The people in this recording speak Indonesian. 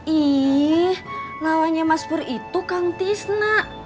ih namanya mas pur itu kang tisna